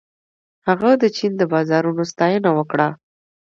هغه د چین د بازارونو ستاینه وکړه.